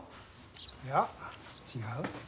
いや違う。